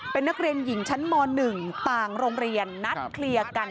เป็นนักเรียนหญิงชั้นม๑ต่างโรงเรียนนัดเคลียร์กัน